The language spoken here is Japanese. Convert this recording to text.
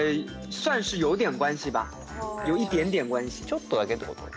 ちょっとだけってこと？